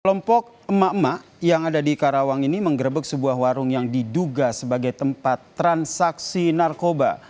kelompok emak emak yang ada di karawang ini menggerebek sebuah warung yang diduga sebagai tempat transaksi narkoba